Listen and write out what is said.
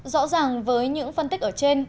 rõ ràng với những phân tích ở trên